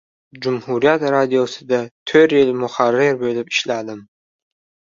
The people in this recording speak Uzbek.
Jumhuriyat radiosida to‘rt yil muharrir bo‘lib ishladim.